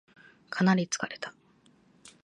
かなり疲れた